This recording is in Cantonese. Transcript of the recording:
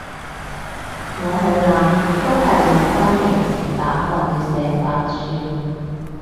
我好懶，都係用返平時打慣嘅寫法算